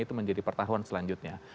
itu menjadi pertahuan selanjutnya